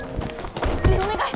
ねえお願い！